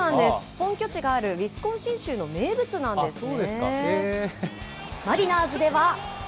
本拠地があるウィスコンシン州の名物なんですね。